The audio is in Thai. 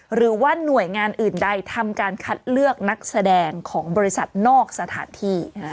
หรือว่าหน่วยงานอื่นใดทำการคัดเลือกนักแสดงของบริษัทนอกสถานที่